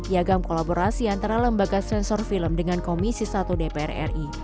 piagam kolaborasi antara lembaga sensor film dengan komisi satu dpr ri